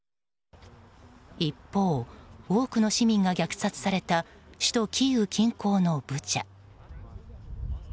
一方、多くの市民が虐殺された首都キーウ近郊のブチャ。